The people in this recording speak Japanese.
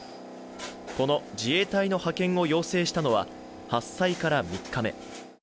この自衛隊の派遣を要請したのは発災から３日目。